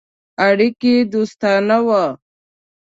اړیکي دوستانه وه.